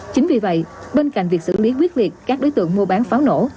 chính vì vậy bên cạnh việc xử lý quyết liệt các đối tượng mua bán pháo nổ